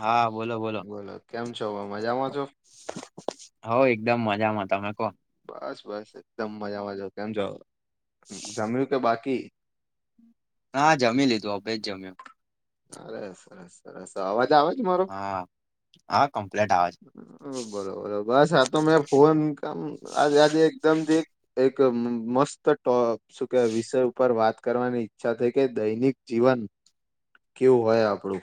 હા બોલો બોલો કેમ છો મજામાં છો હો એકદમ મજામાં તમે કો બસ બસ કે બાકી હા જમી લીધું અભે જ જમ્યું. અરે સરસ સરસ અવાજ આવે હા હા કમ્પ્લેટ આવે છે બરોબ બસ આ તો મે ફોન કામ આજ આજે એકદમથી એક એક મસ્ત ટો શું કે વિષય ઉપર વાત કરવાની ઈચ્છા થઈ કે દૈનિક જીવન કેવું હોય આપડુ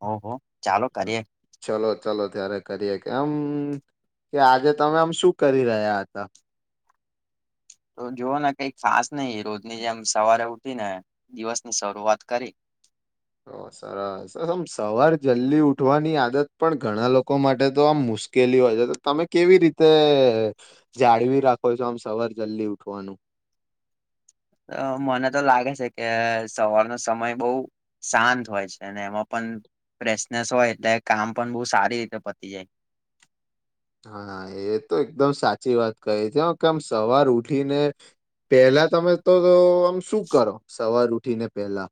ઓહો ચાલો કરીએ ચલો ચલો ત્યારે કરીએ કે એમ કે આજે તમે આમ શું કરી રહ્યા હતા. [inaudible] તો જોવો ને કઈ ખાસ નઈ રોજની જેમ સવારે ઉઠી ને દિવસની શરૂઆત કરી. [inaudible] સરસ આમ સવાર જલ્દી ઉઠવાની આદત પણ ઘણા લોકો માટે તો આમ મુશ્કેલી હોય છે તો તમે કેવી રીતે જાળવી રાખો છો આમ સવાર જલ્દી ઉઠવાનું [inaudible] મને તો લાગે છે કે સવારનો સમય બોવ શાંત હોય છે અને એમાં પણ ફ્રેશનેસ હોય એટલે કામ પણ બો સારી રીતે પતી જાય [inaudible] હા એ તો એકદમ સાચી વાત કહી છે કે આમ સવાર ઉઠીને પેલા તમે તો આમ શું કરો સવાર ઉઠીને પેલા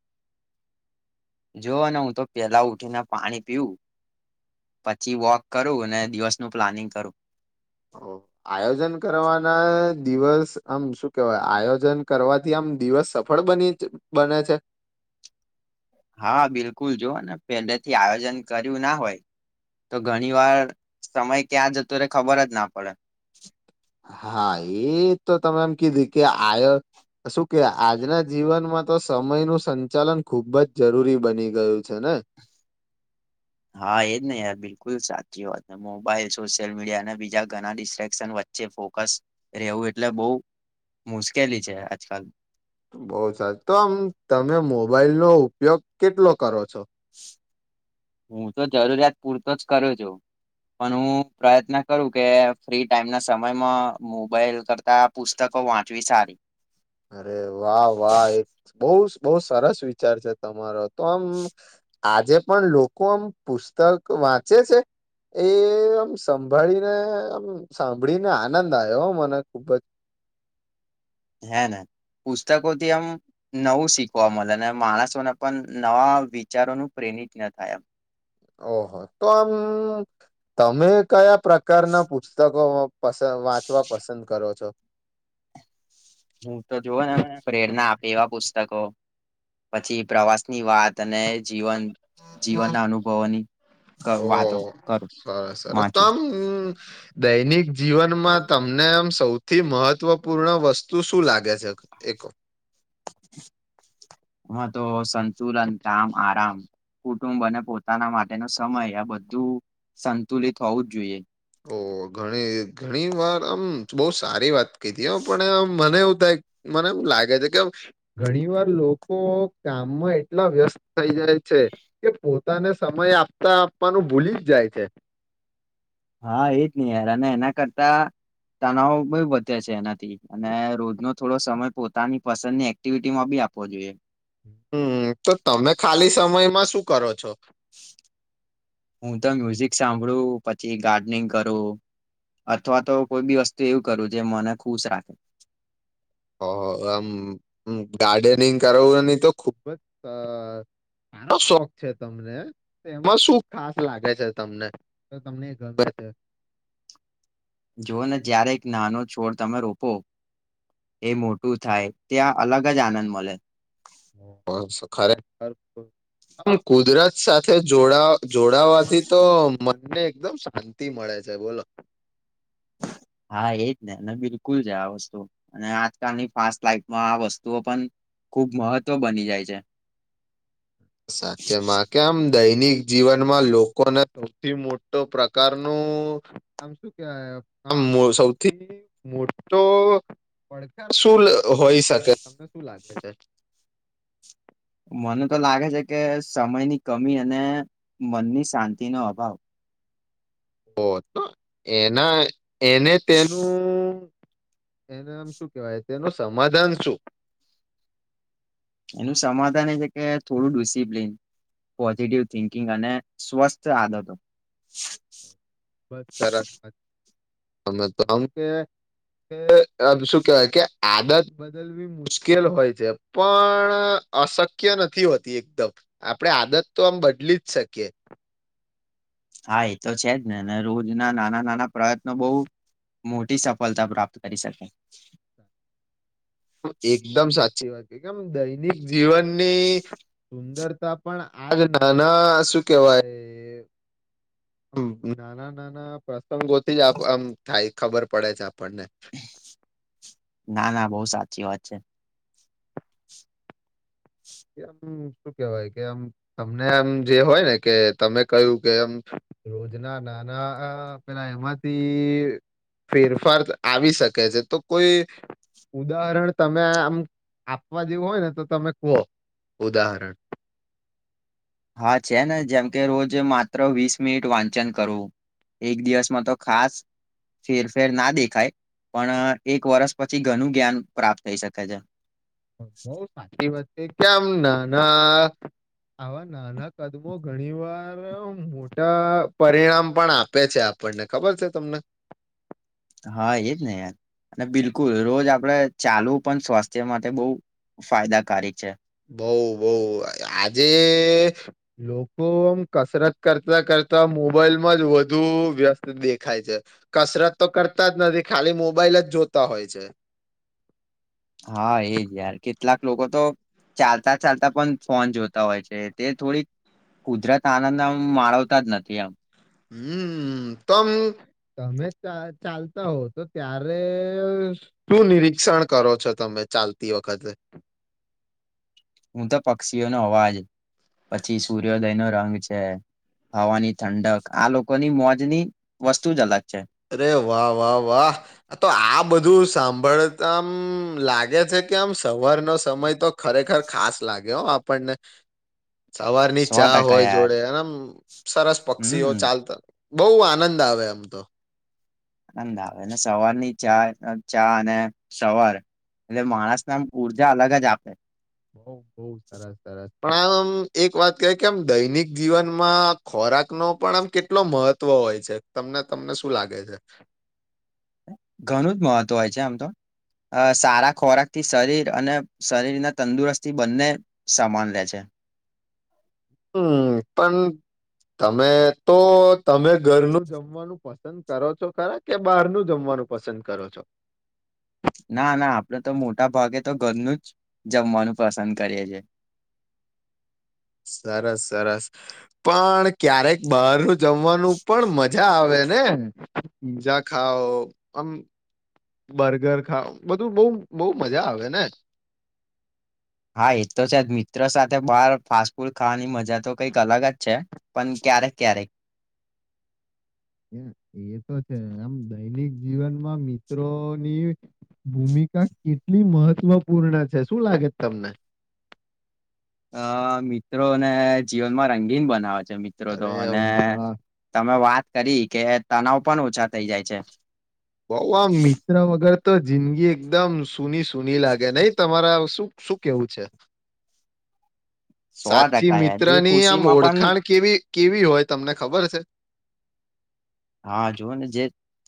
જોવો ને હું તો પેલા ઉઠીને પાણી પીવું પછી વોક કરું અને દિવસનું પ્લાનિંગ કરું ઓહ આયોજન કરવાના દિવસ આમ શું કેવાય આયોજન કરવાથી આમ દિવસ સફળ બની બને છે હા બિલકુલ જોઓ ને પેલે થી આયોજન કર્યું ના હોય તો ઘણી વાર સમય ક્યાં જતો રે ખબર જ ના પડે હા એ તો તમે એમ કીધી કે આયો શું કે આજના જીવનમાં તો સમયનું સંચાલન ખુબ જ જરૂરી બની ગયું છે ને [inaudible] હા એજ ને યાર બિલકુલ સાચ સાચી વાત ને મોબાઈલ સોશિયલ મીડિયા અને બીજા ઘણા ડિસ્ટ્રેકસન વચ્ચે ફોકસ રહેવું એટલે બઉ મુશ્કેલી છે આજકાલ બહુ સાચ તો આમ તમે મોબાઈલ નો ઉપયોગ કેટલો કરો છો હું તો જરૂરિયાત પૂરતો જ કરું છું પણ હું પ્રયત્ન કરું કે ફ્રી ટાઈમ ના સમયમ મોબાઈલ કરતા પુસ્ત કો વાંચવી સારી અરે વાહ વાહ એક બોર બઉ સરસ વિચાર છે તમારો તો આમ આજે પણ લોકો આમ પુસ્તક વાંચે છે એ આમ સંભાળીને આમ સાંભળીને આનંદ આયો હ મને ખુબ જ [inaudible] હે ને પુસ્તકોથી આમ નવું શીખવા મલે ને માણસોને પન નવા વિચારોનું પ્રેર એ ના થાય એમ ઓહો તો આમ તમે કયા પ્રકારના પુસ્તકો પસ વાંચવા પસંદ કરો છો હું તો જોવો ને પ્રેરના આપે એવા પુસ્તકો પછી પ્રવાસ ની વાત ત અને જીવન જીવનના અનુભવોની ક ઓ વાતો કરું સરસ સરસ તો વાંચું આમ દૈનિક જીવનમાં તમને આમ સૌથી મહત્વપૂર્ણ વસ્તુ શું લાગે છે એકો [inaudible] હા તો સંશુતન તામ આરામ કુટુંબ અને પોતાના માટેનો સમય આ બધું સંતુલિત હોવું જ જોઈએ ઓ ઘણી ઘણી વાર આમ બહ સારી વાત કધી હ પણ મને મને એમ લાગે છે કે ઘણી વાર લોકો કામમાં એટલા વ્યસ્ત થઈ જાય છે કે પો બાને સમય આપતા આપવાનું ભૂલી જ જાય છે હા એજ નહી યાર અને એના કરતા તનાવો બ વધે છે એનાથી અને રોજ નો થોડો સમય પોતાની પસંદ ની એક્ટિવિટી માં બી આપવો જોઈએ હમ તો તમે ખાલી સમયમાં શું કરો છો હું તો મ્યુઝિક સાંભળું પછી ગાર્ડનિંગ કરું અથવા તો કોઈ બી વસ્તુ એવું કરું જે મને ખુશ રાખે ઓહ આમ ગાર્ડનિંગ કરની તો ખુબ જ આનો શોખ છે તમને એમાં શું ખાસ લાગે છે તમને તમને હ જોઓ ને જ્યારે એક નાનો છોડ તમે રોપો એ મોટું થાય ત્યાં અલગ જ આનંદ મળે ખરેમ કુદરત સાથે જોડા જોડાવાથી તો મને એકદમ શાંતિ મળે છે, બોલો હા, એજ ને બિલકુલ છે આ વસ્તુ અને આજકાલની ફાસ્ટ લાઈટમાં આ વસ્તુઓ પણ ખૂબ મહત્વ બની જાય છે, સાચેમાં કે આમ દૈનિક જીવનમાં લોકોને સૌથી મોટો પ્રકારનું આમ શું કય આમ સૌથી મો તો પડકાર શું હોય શકે તમને શું લાગે છે, [unintelligible] મને તો લાગે છે, કે સમયની કમી અને મનની શાંતિનોો અભાવ ઓ તો એના એને તેનું એનામ શું કહેવાય તેનું સમાધાન શું? એનું સમાધાન એ છે કે થોડું ડિસિપ્લિન પોઝિટિવ થિંકિંગ અને સ્વસ્થ આદતો બસ સરસ વામે તો આ કે કે શું કેહેવાય કે આદત બદલવી મુશ્કેલ હોય છે, પણ અશક્ય નથી હોતી એકદમ આપણેે આદત તો આમ બદલી જ શકીએ, હા, એ તો છે જ ને અને રોજ ના નાના નાના પ્રયત્નો બહુ મોટી સફળતા પ્રાપ્ત કરી શકે, એકદમ સાચી વાત કેમ દૈનિક જીવનની સુંદરતા પણ આજ નાના શું કેહેવાય, નાના નાના પતંગોથી જ આમ થાય ખબર પડે છે, આપણને ના ના બહુ સાચી વાત છે, કે આમ શું કેવાય કે આમ તમને આમ જે હોય ને કે તમે કયું, કે આમ રોજ ના નાના પેલા એમાંથી ફેરફાર આવી શકે છે, તો કોઈ ઉદાહરણ તમે આ આમ આપવા જેવું હોય ને તો તમે કહો ઉદાહરણ હા, છે ને જેમ કે રોજ માત્ર વીસ મિનિટ વાંચન કરવું એક દિવસમાં તો ખાસ ફેરફેર ના દેખાય પણ એક વરષ પછી ઘણું જ્ઞાન પ્રાપ્ત થઈ શકે છે, બહ સાચી વાત છે, કેમ ના ના આવા નાના કદમો ઘણી વાર મોટા પરિણામ પણ આપે છે, આપ આપણને ખબર છે તમને હા, એજ ને યાર અને બિલકુલ રોજ આપડે ચાલવું પણ સ્વાસ્થ્ય માટે બહુ ફાયદાકારક છે, બઉ બઉ આજે લોકો આમ કસરત કરતા કરતા મોબાઈલમાં જ વધુ વ્યસ્ત દેખાય છે, કસરત તો કરતા જ નથી ખાલી મોબાઈલ જ જોતા હોય છે, હા એજ યાર કે કેટલાક લોકો તો ચાલતા ચાલતા પણ ફોન જોતા હોય છે, તે થોડીક કુદરત આનંદ આમ માળવતા જ નથી આમ હમ્મ, તમે ચાલતા હો તો ત્યારે શું નિરીક્ષણ શિક્ષણ કરો છો, તમે ચાલતી વખતે હું તો પક્ષીઓનો અવાજ પછી સૂર્યોદય નો રંગ છે. હવાની ઠંડક આ લોકોની મોજની વસ્તુ જ અલગ છે, અરે વાહ વાહ વાહ તો આ બધું સાંભળતામ લાગે છે, કેમ સવારનો સમય તો ખરેખર ખાસ લાગે હો આપણને સવાર ની સો ચા ટકા હોય યાર જોડે એ સરસ પક્ષીઓ હમ ચાલતા બહુ આનંદ આવે આમ તો આંદ આવે સવાર ની ચા ચા અને સવાર એટલે માણસ નામ ઊર્જા અલગ જ આપે. બઉ બઉ સરસ સરસ. પણ આમ આમ એક વાત કહે કે આમ દૈનિક જીવનમાં ખોરાક નો પણ આમ કેટલો મહત્વ હોય છે તમને તમને શું લાગે છે. ઘણું જ મહત્વ હોય છે આમ તો. અ સારા ખોરાકથી શરીર અને શરીરના તંદુરસ્થી બંને સમાન લે છે. હમ પણ તમે તો તમે ઘરનું જમવાનું પસંદ કરો છો ખરા કે બહારનું જમવાનું પસંદ કરો છો. ના ના આપડે તો મોટા ભાગે તો ઘરનું જ જમવાનું પસંદ કરીએ. [inaudible] સરસ સરસ પણ ક્યારેક બહાર જમવાનું પણ મજા આવે. નેજા ખાઓ આમ બર્ગર ખા બધું બહ બહ મજા આવે ને હા એ તો છે જ મિત્રો સાથે બહાર ફાસ્ટ ફૂડ ખાવાની મજા તો કંઈક અલગ જ છે. પણ ક્યારેક ક્યારેક એ તો છે આમ દૈનિક જીવનમાં મિત્રોની ભૂમિકા કેટલી મહત્વપૂર્ણ છે શું લાગે તમને? મિત્રો ને જીવનમાં રંગીન બનાવા મિત્રો તો અરે અને વાહ વાહ તમે વાત કરી કે તનાવ પણ ઓછા થઈ જાય છે. બહ આ મિત્ર વગર તો જિંદગી એકદમ સ સુની સુની લાગે નહી તમારા શું શું કેવું છે. સો સાચી ટકા યાર મિત્ર જે ની આમ ખુશીમાં પણ ઓળખાણ કેવી? કેવી હોય તમને ખબર છે. હા જોઓ ને જે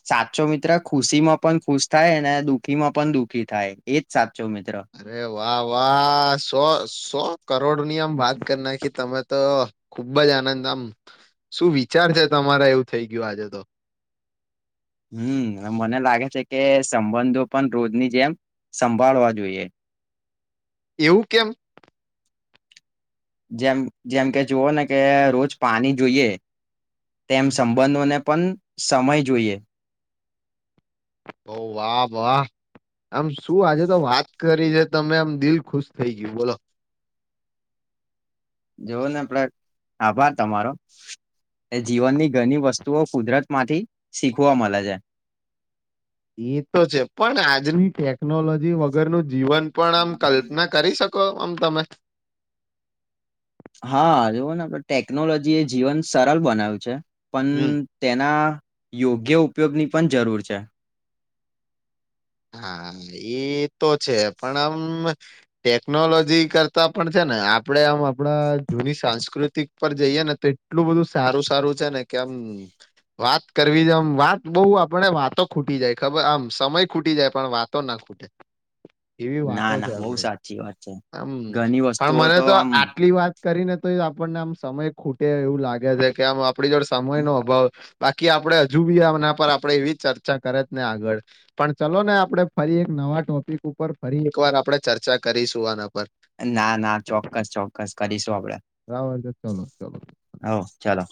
સાચો મિત્ર ખુશી માં પણ ખુશ થાય ને દુઃખી માં પણ દુઃખી થાય એજ સાચ ચૌ મિત્રા અરે વાહ વા શો શો કરોડો ની આમ વાત કરી નાખી તમે તો ખુબ જ આનંદ આમ શું વિચાર છે તમારે એવું થઈ ગયું આજે તો. હમ મને લાગે છે કે સંબંધો પણ રોજની જેમ સંભાળવા જોઈએ. એવું કેમ? જેમ જેમ કે જુવઓ ને કે રોજ પાણી જોઈએ. તેમ સંબંધોને પણ સમય જોઈએ. ઓ વાહ વાહ. આમ શું આજે તો વાત કરી છે તમે આમ દિલ ખુશ થઈ ગયું બોલો. જોવો ને પડ આભાર તમારો. એ જીવનની ઘણી વસ્તુઓ કુદરત માંથી શીખવા મળે છે. એ તો છે પણ આજની ટેકનોલોજી વગરનું જીવન પણ આમ કલ્પના કરી શકો આમ તમે. હા જોવો ને આપ ટેકનોલોજી એ જીવન સરળ બનાવ્યું છે. પણ હમ તેના યોગ્ય ઉપયોગની પણ જરૂર છે. હા એઈ તો છે પણ આમ ટેકનોલોજી કરતા પણ છે ને આપડે આમ આપણા જૂની સાંસ્કૃતિક પર જઈએ ને તો એટલું બધું સારું સારું છે ને કે આમ વાત કરવી છેમ વાત બહ આપને વાતો ખૂટી જાય ખબર આમ સમય ખૂટી જાય પણ વાતો ના ખૂટે. ના ના બહુ સાચી વાત છે. હમ્મ ઘણી પણ વસ્તુઓ મને તો આમ આટલી વાત. કરીને તો એ આપણને આમ સમય ખૂટે એવું લાગે છે, કે આમ આપણી જોડ સમય નો અભાવ બાકી આપડે હજુ બી એના પર આપડે એવી ચર્ચા કરે ને આગળ પણ ચલો ને આપણે ફરી એક નવા ટોપિક ઉપર ફરી એકવાર આપણે ચર્ચા કરીશું આના પર ના ના ચોક્કસ ચોક્કસ કરીશું આપડે. બરાબર છે ચલો ચલો હ ચાલો.